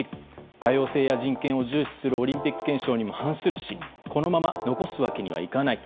多様性や人権を重視するオリンピック憲章にも反するしこのまま残すわけにはいかない。